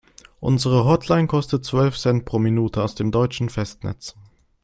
Unsere Hotline kostet zwölf Cent pro Minute aus dem deutschen Festnetz.